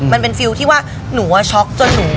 มันเป็นฟิวที่ว่าหนูว่าช็อคจนหนู